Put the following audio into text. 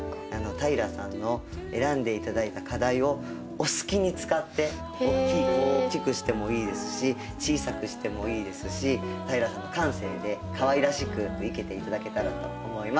平さんの選んで頂いた花材をお好きに使って大きいこう大きくしてもいいですし小さくしてもいいですし平さんの感性でかわいらしく生けて頂けたらと思います。